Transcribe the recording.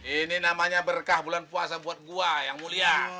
ini namanya berkah bulan puasa buat gue yang mulia